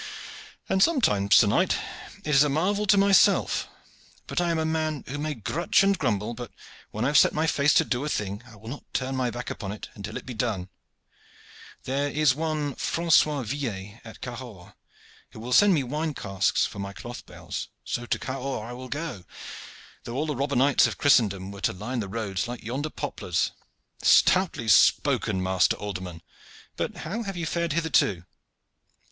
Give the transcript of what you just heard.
"And sometimes, sir knight, it is a marvel to myself. But I am a man who may grutch and grumble, but when I have set my face to do a thing I will not turn my back upon it until it be done. There is one, Francois Villet, at Cahors, who will send me wine casks for my cloth bales, so to Cahors I will go, though all the robber knights of Christendom were to line the roads like yonder poplars." "Stoutly spoken, master alderman! But how have you fared hitherto?"